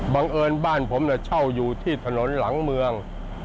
บังเอิญบ้านผมเช่าอยู่ที่ถนนหลังเมือง